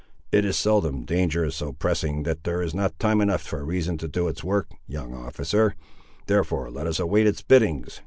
It is seldom danger is so pressing, that there is not time enough for reason to do its work, young officer; therefore let us await its biddings."